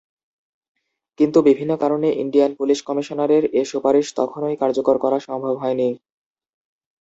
কিন্তু বিভিন্ন কারনে ইন্ডিয়ান পুলিশ কমিশনের এ সুপারিশ তখনই কার্যকর করা সম্ভব হয়নি।